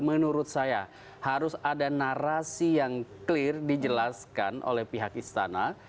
menurut saya harus ada narasi yang clear dijelaskan oleh pihak istana